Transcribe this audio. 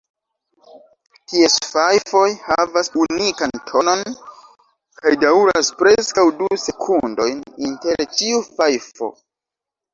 Ties fajfoj havas unikan tonon kaj daŭras preskaŭ du sekundojn inter ĉiu fajfo.